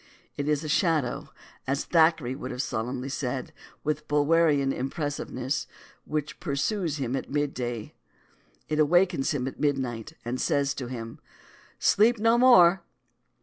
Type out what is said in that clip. It is a Shadow, as Thackeray would have solemnly said, with Bulwerian impressiveness, which Pursues Him at Mid Day. It Awakens Him at Mid Night, and Says to Him, Sleep No More!